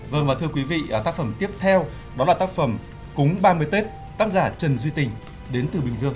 vâng và thưa quý vị tác phẩm tiếp theo đó là tác phẩm cúng ba mươi tết tác giả trần duy tình đến từ bình dương